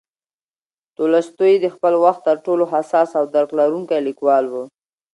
تولستوی د خپل وخت تر ټولو حساس او درک لرونکی لیکوال و.